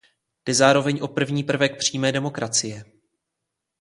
Jde zároveň o první prvek přímé demokracie.